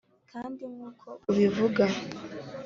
kandi nkuko ubivuga